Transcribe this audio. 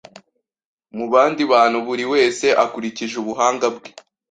mu bandi bantu buri wese akurikije ubuhanga bwe